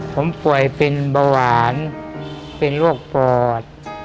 ผมป่วยปินเบาหวานปินร่วงปลอด